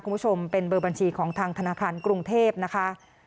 คุณผู้ชมเป็นเบอร์บัญชีของทางธนาคารกรุงเทพนะคะ